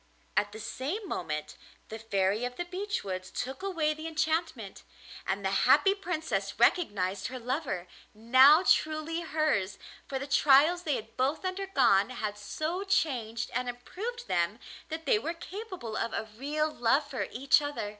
At the same moment the Fairy of the Beech Woods took away the enchantment, and the happy Princess recognised her lover, now truly hers, for the trials they had both undergone had so changed and improved them that they were capable of a real love for each other.